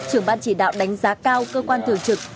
trưởng ban chỉ đạo đánh giá cao cơ quan thường trực